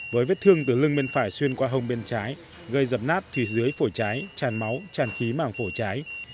với vết thương từ lưng bên phải xuyên qua hông bên trái gây dập nát thủy dưới phổ trái tràn máu tràn khí mảng phổ trái